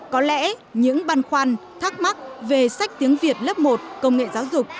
có lẽ những băn khoăn thắc mắc về sách tiếng việt lớp một công nghệ giáo dục